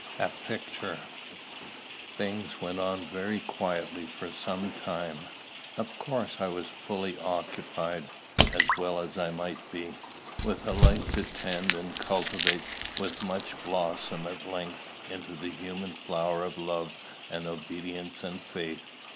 A PICTURE. Things went on very quietly for some time. Of course I was fully occupied, as well I might be, with a life to tend and cultivate which must blossom at length into the human flowers of love and obedience and faith.